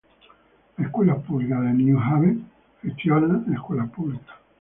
Las Escuelas Públicas de New Haven gestiona escuelas públicas.